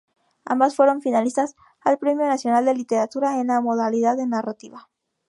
Ambas fueron finalistas al Premio Nacional de Literatura en la modalidad de Narrativa.